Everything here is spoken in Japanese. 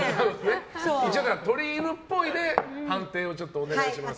取り入るっぽいで判定をお願いします。